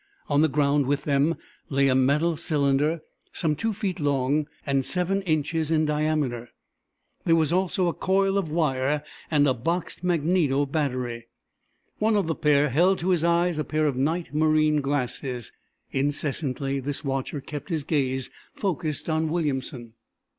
On the ground with them lay a metal cylinder some two feet long and seven inches in diameter. There was also a coil of wire and a boxed magneto battery. One of the pair held to his eyes a pair of night marine glasses. Incessantly this watcher kept his gaze focused on Williamson.